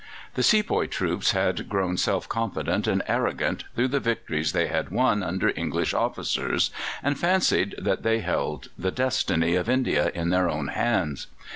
The sepoy troops had grown self confident and arrogant through the victories they had won under English officers, and fancied that they held the destiny of India in their own hands.